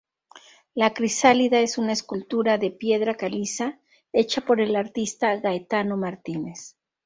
La crisálida es una escultura de piedra caliza hecha por el artista Gaetano Martínez.